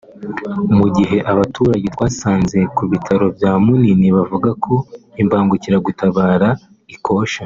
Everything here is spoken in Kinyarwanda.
Mu gihe abaturage twasanze ku bitaro bya Munini bavuga ko imbangukiragutabara ikosha